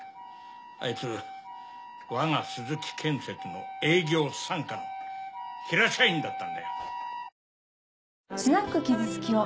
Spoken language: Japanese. あいつ我が鈴木建設の営業三課のヒラ社員だったんだよ。